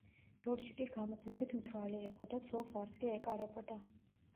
ჯორჯი კი გამუდმებით მთვრალი იყო და ცოლს არც კი ეკარებოდა.